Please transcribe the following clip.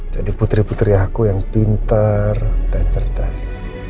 jadi putri putri aku yang pintar dan cerdas